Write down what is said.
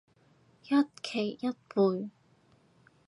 一期一會